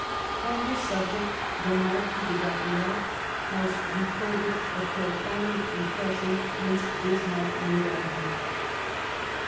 On this subject the Marquis de Gabriac has re corded the profound impression Prince Bismarck made on him.